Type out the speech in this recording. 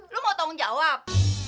lo mau tanggung jawab